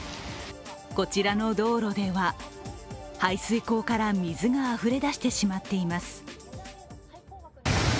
こちらの道路では排水溝から水があふれ出してしまっています。